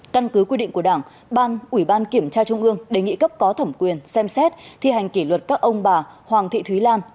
căn cứ quy định của đảng ban ủy ban kiểm tra trung ương đề nghị cấp có thẩm quyền xem xét thi hành kỷ luật các ông bà hoàng thị thúy lan